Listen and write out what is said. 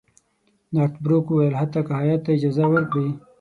نارت بروک وویل حتی که هیات ته اجازه ورکړي.